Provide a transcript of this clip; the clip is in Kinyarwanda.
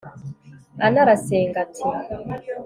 ana arasenga, ati